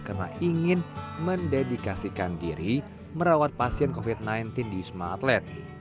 karena ingin mendedikasikan diri merawat pasien covid sembilan belas di wisma atlet